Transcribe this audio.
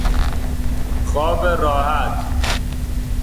خواب راحت